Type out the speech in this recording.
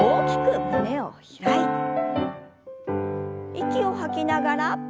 息を吐きながら。